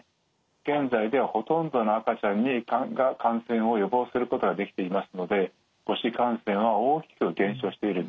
現在ではほとんどの赤ちゃんに感染を予防することができていますので母子感染は大きく減少しているんですね。